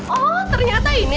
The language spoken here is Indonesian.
oh ternyata ini